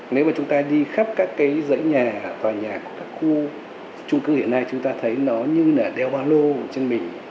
nếu mà chúng ta đi khắp các cái dãy nhà tòa nhà các khu trung cư hiện nay chúng ta thấy nó như là đeo ba lô ở trên mình